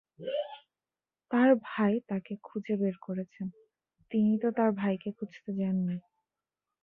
তাঁর ভাই তাঁকে খুঁজে বের করেছেন, তিনি তো তাঁর ভাইকে খুঁজতে যাননি।